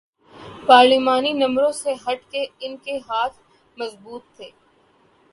پارلیمانی نمبروں سے ہٹ کے ان کے ہاتھ مضبوط تھے۔